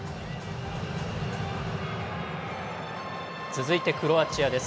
続いてクロアチアです。